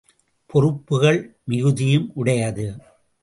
பொறுப்புகள் மிகுதியும் உடையது!